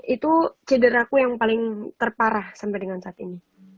itu cederaku yang paling terparah sampai dengan saat ini